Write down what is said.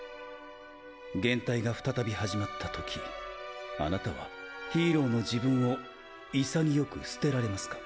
減退が再び始まった時貴方はヒーローの自分を潔く捨てられますか？